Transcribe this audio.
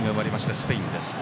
スペインです。